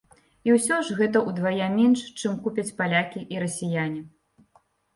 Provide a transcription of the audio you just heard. І ўсё ж гэта ўдвая менш, чым купяць палякі і расіяне.